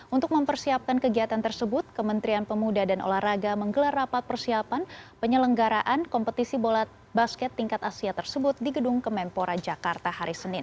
untuk mempersiapkan kegiatan tersebut kementerian pemuda dan olahraga menggelar rapat persiapan penyelenggaraan kompetisi bola basket tingkat asia tersebut di gedung kemenpora jakarta hari senin